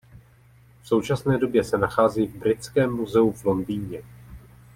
V současné době se nachází v Britském muzeu v Londýně.